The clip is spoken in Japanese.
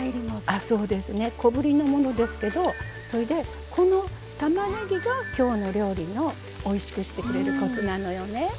あそうですね。小ぶりのものですけどそれでこのたまねぎが今日の料理のおいしくしてくれるコツなのよね。